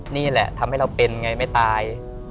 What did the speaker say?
นี่แหละทำให้เราเป็นไงไม่ตาย